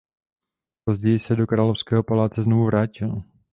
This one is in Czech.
Později se do královského paláce znovu vrátil.